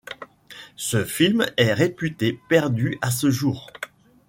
Ce film est réputé perdu à ce jour.